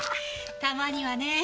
たまにはねぇ。